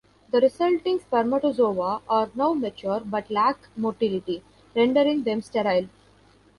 The resulting spermatozoa are now mature but lack motility, rendering them sterile.